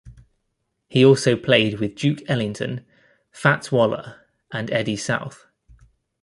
He also played with Duke Ellington, Fats Waller and Eddie South.